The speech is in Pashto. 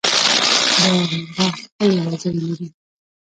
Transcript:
دا مرغه ښکلې وزرې لري.